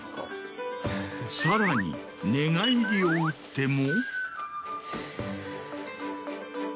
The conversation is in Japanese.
さらに寝返りをうっても。